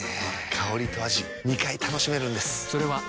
香りと味２回楽しめるんです。